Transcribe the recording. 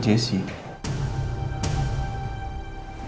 jasi om irfan